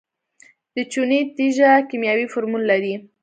د چونې تیږه کیمیاوي فورمول لري.